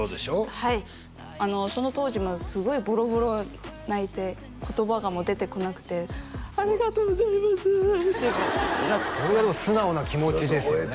はいその当時もすごいボロボロ泣いて言葉が出てこなくて「ありがとうございますう」ってそれがでも素直な気持ちですよね